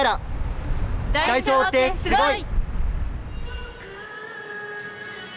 大商ってすごい！